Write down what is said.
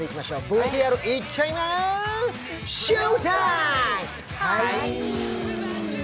ＶＴＲ行っちゃいまＳＨＯＷＴＩＭＥ！